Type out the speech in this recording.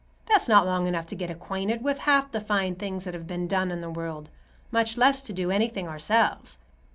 That's not long enough to get acquainted with half the fine things that have been done in the world, much less to do anything ourselves.